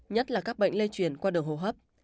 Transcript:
nhất là các bệnh lây truyền qua đường hô hấp